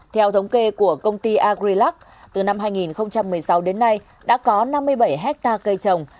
theo thống kê của công ty agrilac từ năm hai nghìn một mươi sáu đến nay đã có năm mươi bảy hectare cây trồng